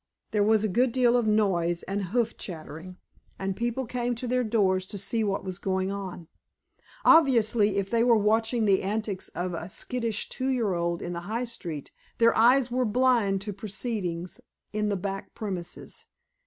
There was a good deal of noise and hoof clattering, and people came to their doors to see what was going on. Obviously, if they were watching the antics of a skittish two year old in the high street, their eyes were blind to proceedings in the back premises.